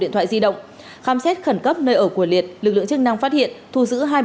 điện thoại di động khám xét khẩn cấp nơi ở của liệt lực lượng chức năng phát hiện thu giữ